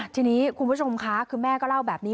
ทีนี้คุณผู้ชมค่ะคือแม่ก็เล่าแบบนี้